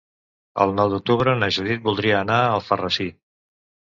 El nou d'octubre na Judit voldria anar a Alfarrasí.